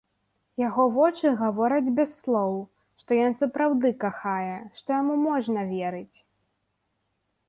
Яго вочы гавораць без слоў, што ён сапраўды кахае, што яму можна верыць.